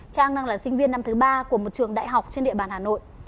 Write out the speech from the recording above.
trang đang là sinh viên năm thứ ba của một trường đại học trên địa bàn hà nội